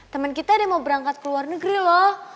temen kita dia mau berangkat ke luar negeri loh